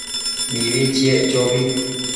Mibi chiec chobi